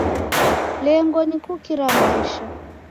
Lengo ni kukira maisha.